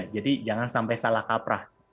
jadi jangan sampai salah kaprah